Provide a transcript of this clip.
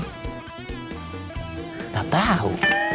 kang dadang tau